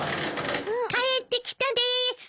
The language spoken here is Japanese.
・帰ってきたです！